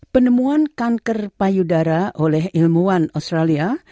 penemuan kanker payudara oleh ilmuwan australia